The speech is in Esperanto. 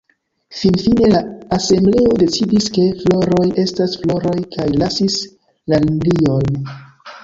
Finfine la asembleo decidis, ke floroj estas floroj kaj lasis la liliojn.